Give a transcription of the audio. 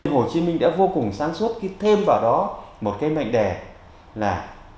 hồ chí minh đã vô cùng sáng suốt khi thêm vào đó một cái mệnh đề là